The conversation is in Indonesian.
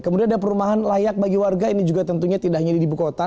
kemudian ada perumahan layak bagi warga ini juga tentunya tidak hanya di ibu kota